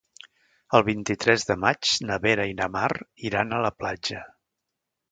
El vint-i-tres de maig na Vera i na Mar iran a la platja.